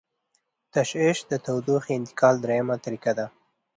تشعشع د تودوخې انتقال دریمه طریقه ده.